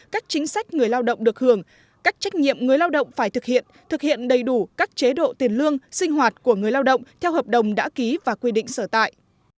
các chính sách người lao động được hưởng các trách nhiệm người lao động phải thực hiện thực hiện đầy đủ các chế độ tiền lương sinh hoạt của người lao động theo hợp đồng đã ký và quy định sở tại